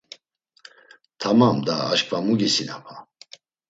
Tamam da aşǩva mu gisinapa!